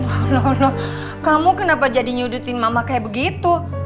alah kamu kenapa jadi nyudutin mama kayak begitu